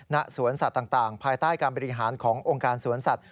ณสวนสัตว์ต่างภายใต้การบริหารขององค์การสวนสัตว